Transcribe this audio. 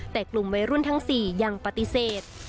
แต่กลุ่มวัยรุ่นทั้ง๔ยังปฏิเสธ